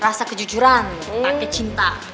rasa kejujuran pake cinta